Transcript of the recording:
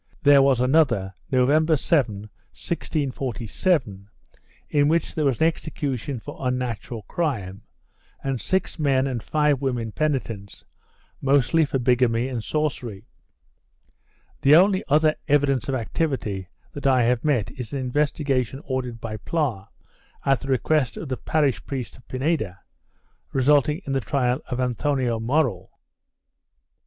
There was another, November 7, 1647, in which there was an execution for unnatural crime and six men and five women penitents, mostly for bigamy and sorcery. The only other evidence of activity that I have met is an investigation ordered by Pla, at the request of the parish priest of Pineda, resulting in the trial of Anthoni Morell.